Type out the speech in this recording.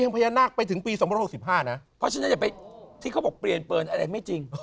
พญานาคไปถึงปี๑๙๖๕นะ